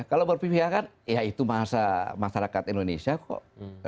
kalau berpihakan ya itu masyarakat indonesia kok